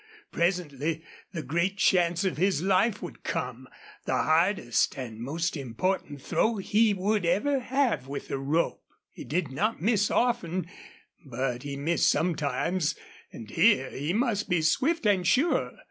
Presently the great chance of his life would come the hardest and most important throw he would ever have with a rope. He did not miss often, but then he missed sometimes, and here he must be swift and sure.